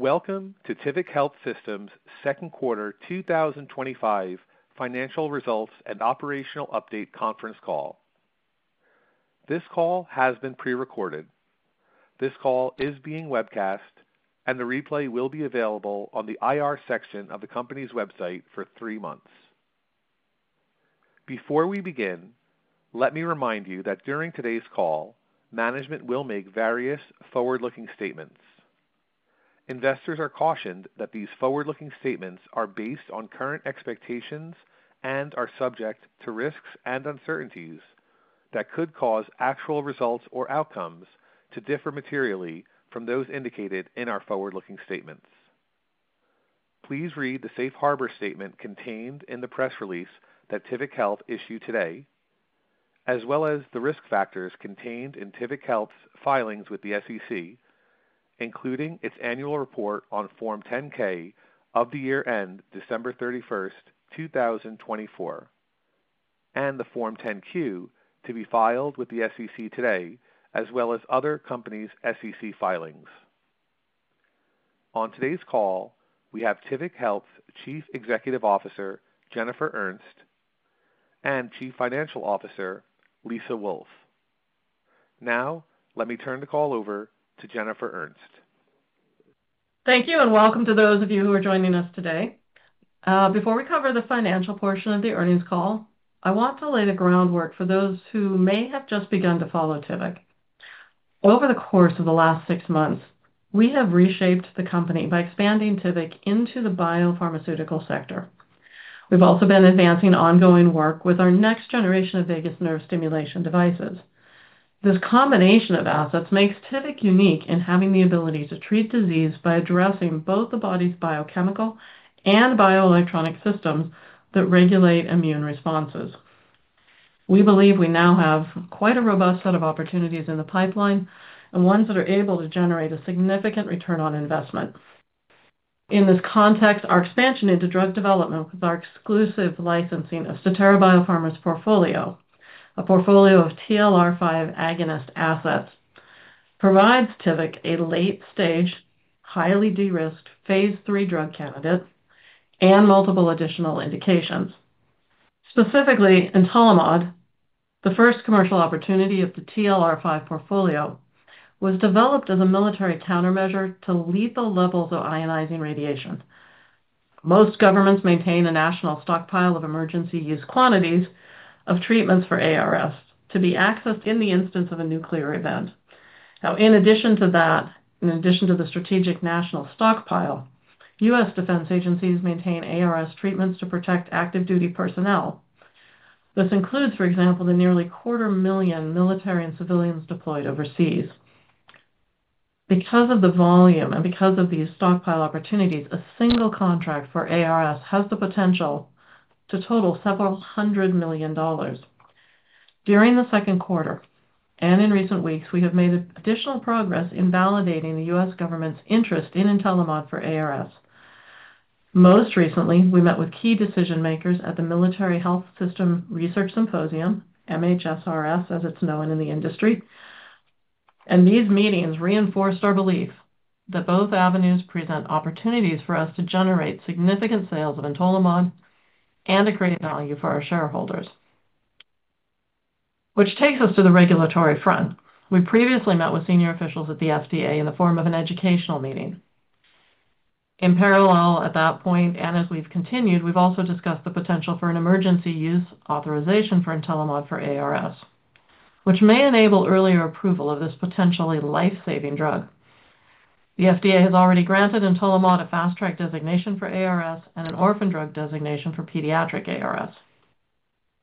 Welcome to Tivic Health Systems' Second Quarter 2025 Financial Results and Operational Update Conference Call. This call has been pre-recorded. This call is being webcast, and the replay will be available on the IR section of the company's website for three months. Before we begin, let me remind you that during today's call, management will make various forward-looking statements. Investors are cautioned that these forward-looking statements are based on current expectations and are subject to risks and uncertainties that could cause actual results or outcomes to differ materially from those indicated in our forward-looking statements. Please read the safe harbor statement contained in the press release that Tivic Health issued today, as well as the risk factors contained in Tivic Health's filings with the SEC, including its annual report on Form 10-K for the year ended December 31, 2024, and the Form 10-Q to be filed with the SEC today, as well as other company SEC filings. On today's call, we have Tivic Health's Chief Executive Officer Jennifer Ernst and Chief Financial Officer Lisa Wolf. Now, let me turn the call over to Jennifer Ernst. Thank you, and welcome to those of you who are joining us today. Before we cover the financial portion of the earnings call, I want to lay the groundwork for those who may have just begun to follow Tivic. Over the course of the last six months, we have reshaped the company by expanding Tivic into the Biopharmaceutical sector. We've also been advancing ongoing work with our next generation of vagus nerve stimulation devices. This combination of assets makes Tivic unique in having the ability to treat disease by addressing both the body's Biochemical and Bioelectronic systems that regulate immune responses. We believe we now have quite a robust set of opportunities in the pipeline and ones that are able to generate a significant return on investment. In this context, our expansion into drug development with our exclusive licensing of Statera Biopharma's portfolio, a portfolio of TLR5 agonist assets, provides Tivic a late-stage, highly de-risked phase three drug candidate and multiple additional indications. Specifically, Entolimod, the first commercial opportunity of the TLR5 portfolio, was developed as a military countermeasure to lethal levels of ionizing radiation. Most governments maintain a national stockpile of emergency use quantities of treatments for ARS to be accessed in the instance of a nuclear event. Now, in addition to that, in addition to the strategic national stockpile, U.S. defense agencies maintain ARS treatments to protect active duty personnel. This includes, for example, the nearly 250,000 military and civilians deployed overseas. Because of the volume and because of these stockpile opportunities, a single contract for ARS has the potential to total several hundred million dollars. During the second quarter and in recent weeks, we have made additional progress in validating the U.S. government's interest in Entolimod for ARS. Most recently, we met with key decision makers at the Military Health System Research Symposium, MHSRS, as it's known in the industry, and these meetings reinforced our belief that both avenues present opportunities for us to generate significant sales of Entolimod and a great value for our shareholders. Which takes us to the regulatory front. We previously met with senior officials at the FDA in the form of an educational meeting. In parallel at that point, and as we've continued, we've also discussed the potential for an emergency use authorization for Entolimod for ARS, which may enable earlier approval of this potentially life-saving drug. The FDA has already granted Entolimod a fast-track designation for ARS and an orphan drug designation for pediatric ARS.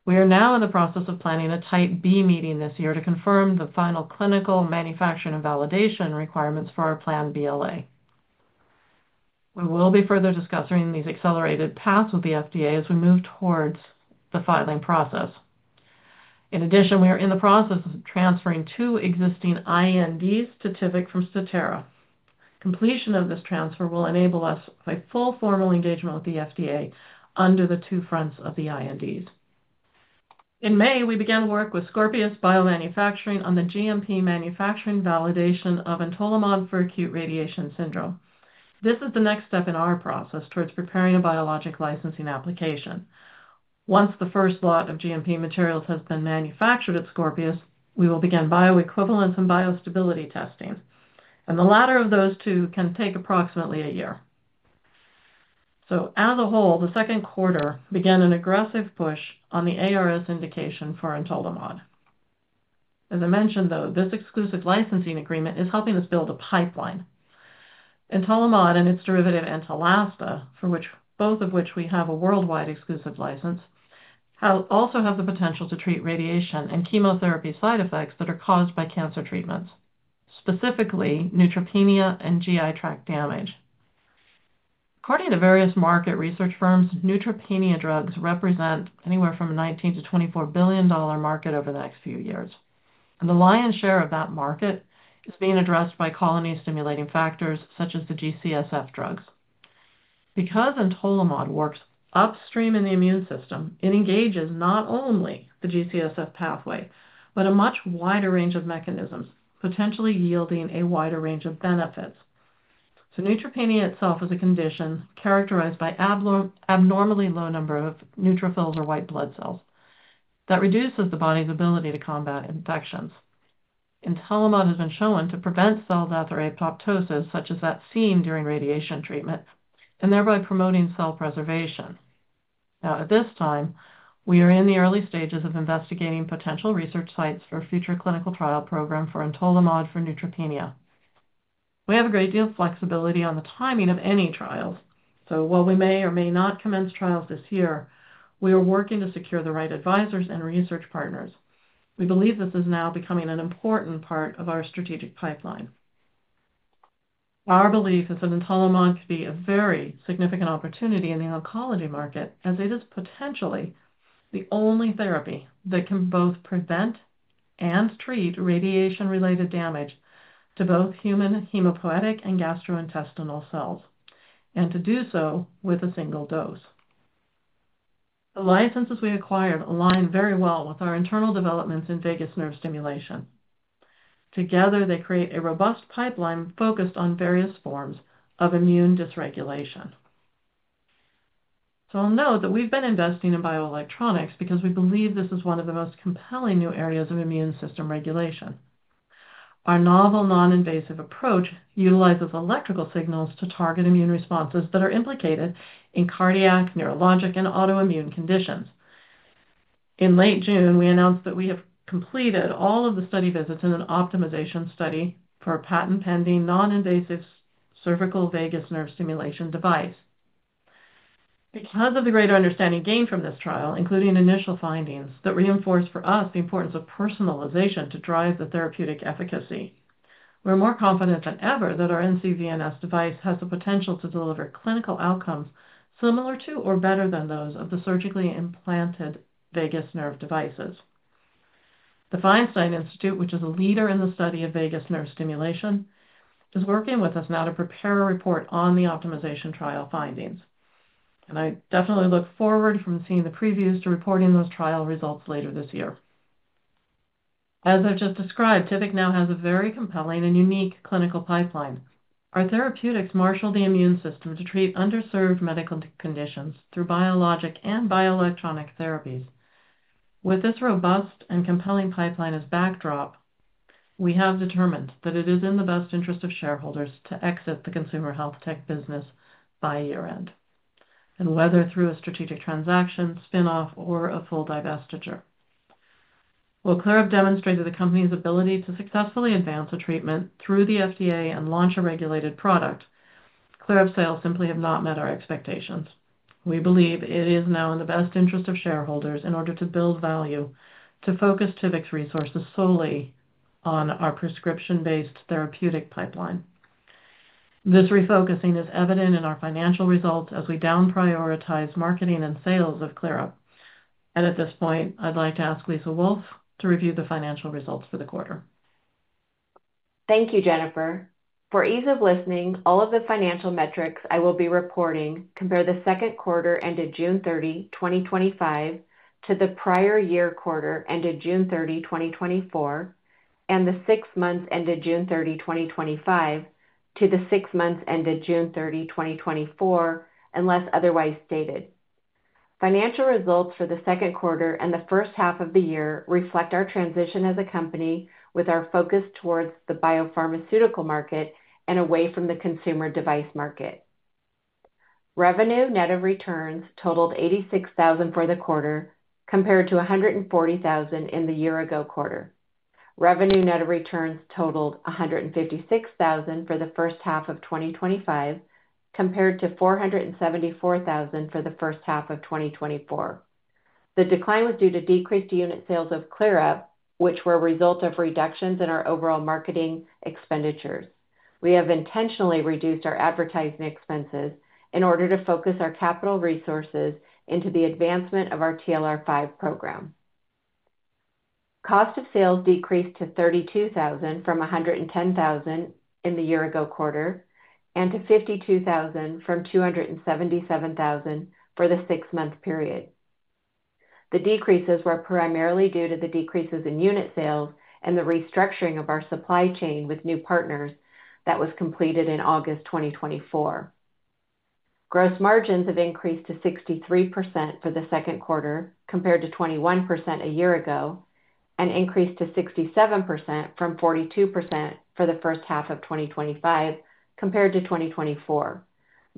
We are now in the process of planning a type B meeting this year to confirm the final clinical manufacturing and validation requirements for our planned BLA. We will be further discussing these accelerated paths with the FDA as we move towards the filing process. In addition, we are in the process of transferring two existing INDs to Tivic from Statera. Completion of this transfer will enable us a full formal engagement with the FDA under the two fronts of the INDs. In May, we began work with Scorpius Biomanufacturing on the GMP manufacturing validation of Entolimod for acute radiation syndrome. This is the next step in our process towards preparing a Biologics License Application. Once the first lot of GMP materials has been manufactured at Scorpius, we will begin bioequivalence and biostability testing, and the latter of those two can take approximately a year. As a whole, the second quarter began an aggressive push on the ARS indication for Entolimod. As I mentioned, though, this exclusive licensing agreement is helping us build a pipeline. Entolimod and its derivative Entolasta, for both of which we have a worldwide exclusive license, also have the potential to treat radiation and chemotherapy side effects that are caused by cancer treatments, specifically, neutropenia and GI tract damage. According to various market research firms, neutropenia drugs represent anywhere from a $19 billion-$24 billion market over the next few years. The lion's share of that market is being addressed by colony-stimulating factors such as the GCSF drugs. Because Entolimod works upstream in the immune system, it engages not only the GCSF pathway, but a much wider range of mechanisms, potentially yielding a wider range of benefits. Neutropenia itself is a condition characterized by an abnormally low number of neutrophils or white blood cells that reduces the body's ability to combat infections. Entolimod has been shown to prevent cell death or apoptosis, such as that seen during radiation treatment, and thereby promoting cell preservation. Now, at this time, we are in the early stages of investigating potential research sites for a future clinical trial program for Entolimod for neutropenia. We have a great deal of flexibility on the timing of any trials. While we may or may not commence trials this year, we are working to secure the right advisors and research partners. We believe this is now becoming an important part of our strategic pipeline. Our belief is that Entolimod could be a very significant opportunity in the oncology market, as it is potentially the only therapy that can both prevent and treat radiation-related damage to both human hematopoietic and gastrointestinal cells, and to do so with a single dose. The licenses we acquired align very well with our internal developments in vagus nerve stimulation. Together, they create a robust pipeline focused on various forms of immune dysregulation. I'll note that we've been investing in bioelectronics because we believe this is one of the most compelling new areas of immune system regulation. Our novel non-invasive approach utilizes electrical signals to target immune responses that are implicated in cardiac, neurologic, and autoimmune conditions. In late June, we announced that we have completed all of the study visits in an optimization study for a patent-pending non-invasive cervical vagus nerve stimulation device. Because of the greater understanding gained from this trial, including initial findings that reinforce for us the importance of personalization to drive the therapeutic efficacy, we're more confident than ever that our NCVNS device has the potential to deliver clinical outcomes similar to or better than those of the surgically implanted vagus nerve devices. The Feinstein Institute, which is a leader in the study of vagus nerve stimulation, is working with us now to prepare a report on the optimization trial findings. I definitely look forward from seeing the previews to reporting those trial results later this year. As I've just described, Tivic now has a very compelling and unique clinical pipeline. Our therapeutics marshal the immune system to treat underserved medical conditions through biologic and bioelectronic therapies. With this robust and compelling pipeline as backdrop, we have determined that it is in the best interest of shareholders to exit the consumer health tech business by year-end, whether through a strategic transaction, spin-off, or a full divestiture. While ClearUP demonstrated the company's ability to successfully advance a treatment through the FDA and launch a regulated product, ClearUP's sales simply have not met our expectations. We believe it is now in the best interest of shareholders in order to build value to focus Tivic's resources solely on our prescription-based therapeutic pipeline. This refocusing is evident in our financial results as we down-prioritize marketing and sales of ClearUP. At this point, I'd like to ask Lisa Wolf to review the financial results for the quarter. Thank you, Jennifer. For ease of listening, all of the financial metrics I will be reporting compare the second quarter ended June 30, 2025 to the prior year quarter ended June 30, 2024, and the six months ended June 30, 2025 to the six months ended June 30, 2024, unless otherwise stated. Financial results for the second quarter and the first-half of the year reflect our transition as a company with our focus towards the biopharmaceutical market and away from the consumer device market. Revenue net of returns totaled $86,000 for the quarter compared to $140,000 in the year ago quarter. Revenue net of returns totaled $156,000 for the first-half of 2025 compared to $474,000 for the first-half of 2024. The decline was due to decreased unit sales of ClearUP, which were a result of reductions in our overall marketing expenditures. We have intentionally reduced our advertising expenses in order to focus our capital resources into the advancement of our TLR5 program. Cost of sales decreased to $32,000 from $110,000 in the year ago quarter and to $52,000 from $277,000 for the six-month period. The decreases were primarily due to the decreases in unit sales and the restructuring of our supply chain with new partners that was completed in August 2024. Gross margins have increased to 63% for the second quarter compared to 21% a year ago and increased to 67% from 42% for the first half of 2025 compared to 2024.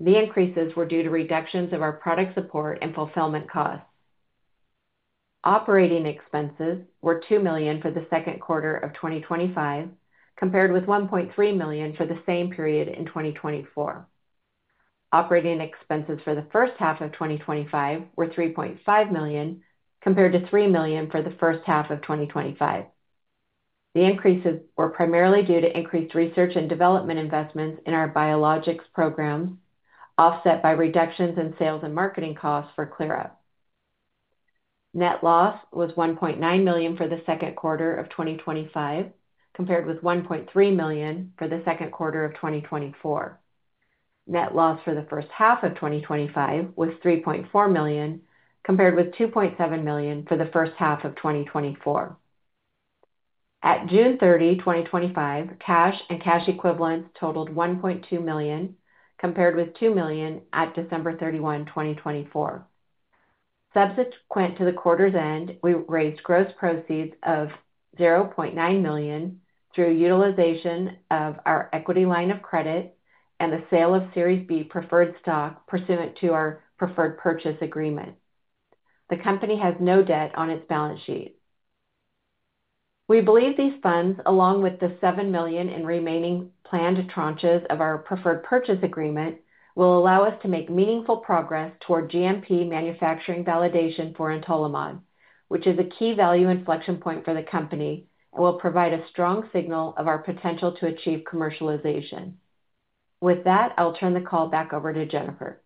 The increases were due to reductions of our product support and fulfillment costs. Operating expenses were $2,000,000 for the second quarter of 2025 compared with $1.3 million for the same period in 2024. Operating expenses for the first-half of 2025 were $3.5 million compared to $3 million for the first-half of 2024. The increases were primarily due to increased research and development investments in our biologics program offset by reductions in sales and marketing costs for ClearUP. Net loss was $1.9 million for the second quarter of 2025 compared with $1.3 million for the second quarter of 2024. Net loss for the first-half of 2025 was $3.4 million compared with $2.7 million for the first-half of 2024. At June 30, 2025, cash and cash equivalents totaled $1.2 million compared with $2 million at December 31, 2024. Subsequent to the quarter's end, we raised gross proceeds of $0.9 million through utilization of our equity line of credit and the sale of Series B preferred stock pursuant to our preferred purchase agreement. The company has no debt on its balance sheet. We believe these funds, along with the $7 million in remaining planned tranches of our preferred purchase agreement, will allow us to make meaningful progress toward GMP manufacturing validation for Entolimod, which is a key value inflection point for the company and will provide a strong signal of our potential to achieve commercialization. With that, I'll turn the call back over to Jennifer.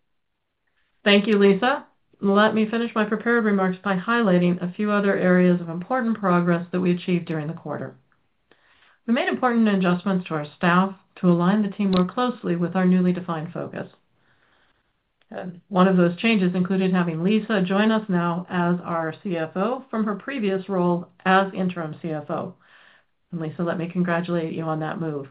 Thank you, Lisa. Let me finish my prepared remarks by highlighting a few other areas of important progress that we achieved during the quarter. We made important adjustments to our staff to align the team more closely with our newly defined focus. One of those changes included having Lisa join us now as our CFO from her previous role as Interim CFO. Lisa, let me congratulate you on that move.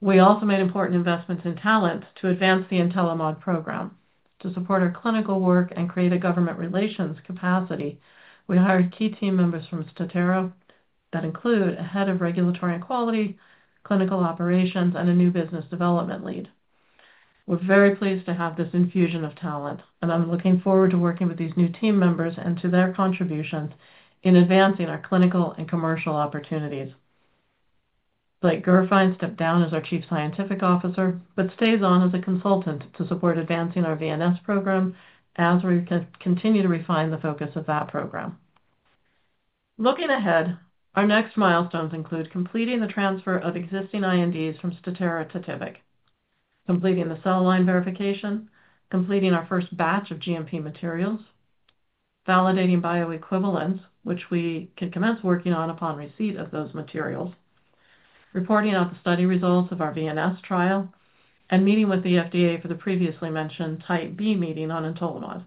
We also made important investments in talent to advance the Entolimod program. To support our clinical work and create a government relations capacity, we hired key team members from Statera that include a Head of Regulatory and Quality, Clinical Operations, and a new Business Development Lead. We're very pleased to have this infusion of talent, and I'm looking forward to working with these new team members and to their contributions in advancing our clinical and commercial opportunities. Blake Gurfein stepped down as our Chief Scientific Officer, but stays on as a consultant to support advancing our non-invasive vagus nerve stimulation device program as we continue to refine the focus of that program. Looking ahead, our next milestones include completing the transfer of existing INDs from Statera to Tivic, completing the cell line verification, completing our first batch of GMP materials, validating bioequivalence, which we can commence working on upon receipt of those materials, reporting out the study results of our non-invasive vagus nerve stimulation device trial, and meeting with the FDA for the previously mentioned Type B meeting on Entolimod.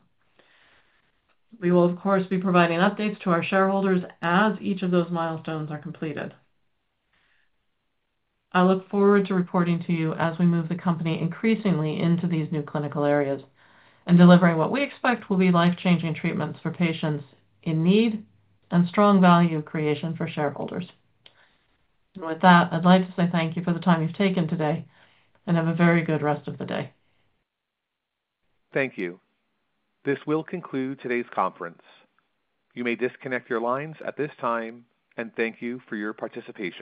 We will, of course, be providing updates to our shareholders as each of those milestones are completed. I look forward to reporting to you as we move the company increasingly into these new clinical areas and delivering what we expect will be life-changing treatments for patients in need and strong value creation for shareholders. With that, I'd like to say thank you for the time you've taken today and have a very good rest of the day. Thank you. This will conclude today's conference. You may disconnect your lines at this time, and thank you for your participation.